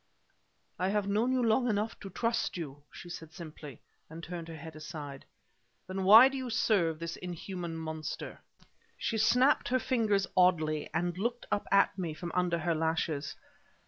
"I have known you long enough to trust you!" she said simply, and turned her head aside. "Then why do you serve this inhuman monster?" She snapped her fingers oddly, and looked up at me from under her lashes.